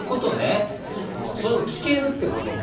それを聞けるってことか。